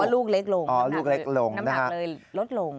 ๒๒๑ลูกแต่ว่าลูกเล็กลงน้ำหนักเลยลดลง